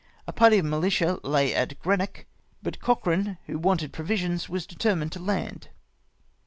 A party of militia lay at Greenock, but Cochrane, who wanted provisions, was determined to land.